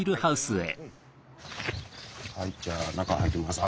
はいじゃあ中入って下さい。